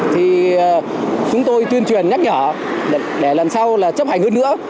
thì chúng tôi tuyên truyền nhắc nhở để lần sau là chấp hành hơn nữa